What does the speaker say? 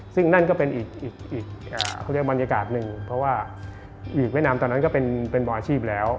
ซึ่งนั่นก็เป็นอีกเขาเรียกบรรยากาศหนึ่งเพราะว่าหลีกเวียดนามตอนนั้นก็เป็นบอลอาชีพแล้ว